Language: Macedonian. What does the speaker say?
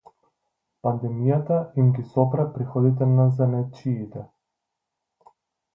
Пандемијата им ги сопре приходите на занаетчиите